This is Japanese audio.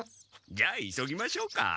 じゃあ急ぎましょうか。